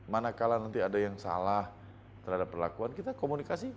manakala nanti ada yang salah terhadap perlakuan kita komunikasi